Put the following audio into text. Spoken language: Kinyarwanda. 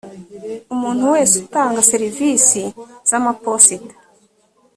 umuntu wese utanga serivisi z amaposita